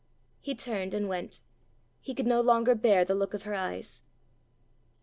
He turned and went; he could no longer bear the look of her eyes.